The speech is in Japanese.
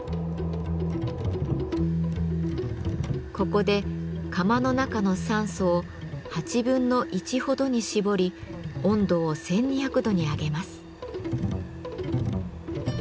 ここで窯の中の酸素をほどに絞り温度を１，２００度に上げます。